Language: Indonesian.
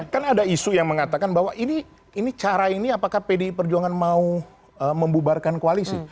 kan ada isu yang mengatakan bahwa ini cara ini apakah pdi perjuangan mau membubarkan koalisi